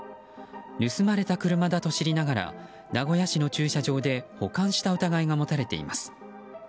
盗まれた車だと知りながら名古屋市の駐車場で保管した疑いが持たれています。